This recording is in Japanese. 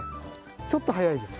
ちょっと早いです。